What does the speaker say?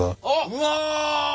うわ！？